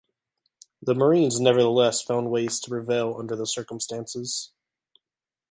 The Marines nevertheless found ways to prevail under the circumstances.